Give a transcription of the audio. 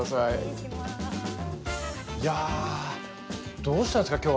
いやどうしたんですか今日は。